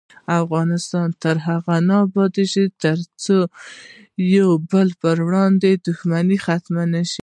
افغانستان تر هغو نه ابادیږي، ترڅو د یو بل پر وړاندې دښمني ختمه نشي.